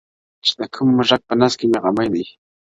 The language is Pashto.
چي د کم موږک په نس کي مي غمی دی,